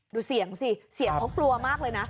ดูเสียงสิเสียงเขากลัวมากเลยนะ